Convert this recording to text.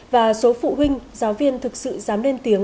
và số phụ huynh giáo viên thực sự dám lên tiếng